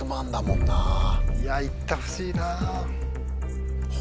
いや行ってほしいな。